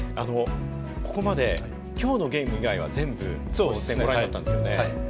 ここまで今日のゲーム以外は全部ご覧になったんですよね。はい。